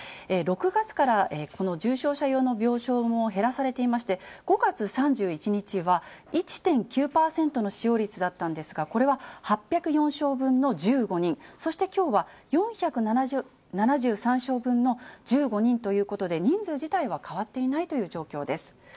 ６月からこの重症者用の病床も減らされていまして、５月３１日は１．９％の使用率だったんですが、これは８０４床分の１５人、そしてきょうは４７３床分の１５人ということで、人数自体は変わっていないという状況です。